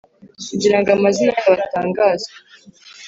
kugira ngo amazina yabo atangazwe,